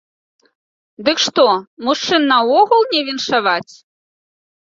Дык што, мужчын наогул не віншаваць?